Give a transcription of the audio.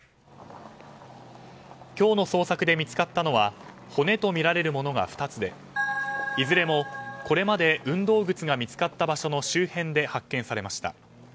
今日の捜索で見つかったのは骨とみられるものが２つでいずれもこれまで運動靴が見つかった場所の周辺で発見されました。